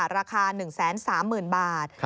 ราคา๑๓๐๐๐บาท